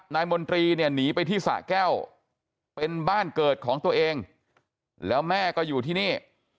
มนตรีเนี่ยหนีไปที่สะแก้วเป็นบ้านเกิดของตัวเองแล้วแม่ก็อยู่ที่นี่